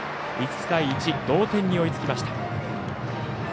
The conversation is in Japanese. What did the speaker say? １対１、同点に追いつきました。